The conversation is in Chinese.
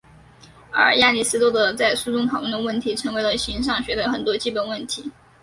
而亚里斯多德在书中讨论的问题成为了形上学的很多基本问题。